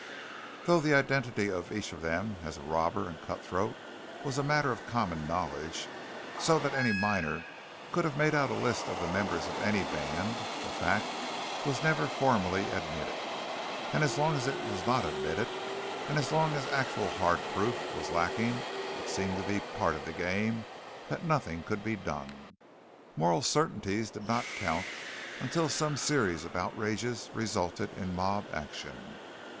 Though the identity of each of them as a robber and cut throat was a matter of common knowledge, so that any miner could have made out a list of the members of any band, the fact was never formally admitted. And as long as it was not admitted, and as long as actual hard proof was lacking, it seemed to be part of the game that nothing could be done. Moral certainties did not count until some series of outrages resulted in mob action.